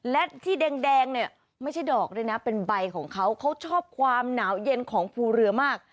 และที่แดงเนี่ยไม่ใช่ดอกด้วยนะเป็นใบของเขาเขาชอบความหนาวเย็นของภูเรือมาก